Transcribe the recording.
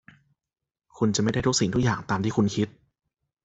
คุณจะไม่ได้ทุกสิ่งทุกอย่างตามที่คุณคิด